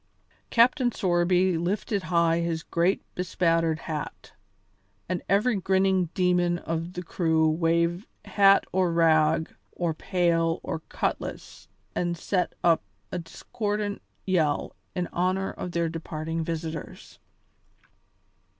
Captain Sorby lifted high his great bespattered hat, and every grinning demon of the crew waved hat or rag or pail or cutlass and set up a discordant yell in honour of their departing visitors.